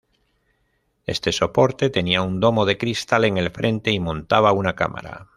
Este soporte tenía un domo de cristal en el frente y montaba una cámara.